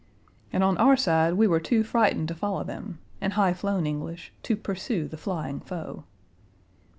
And on our side we were too frightened to follow them in high flown English, to pursue the flying foe.